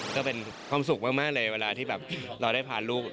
ก็เป็นความสุขมากเลยเวลาที่แบบเราได้พาลูก